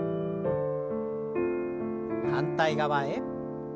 反対側へ。